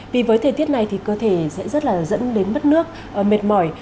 vì với thời tiết này thì cơ thể sẽ rất là dẫn đến mất nước mệt mỏi